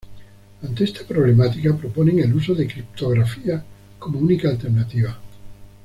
Ante esta problemática proponen el uso de criptografía como única alternativa.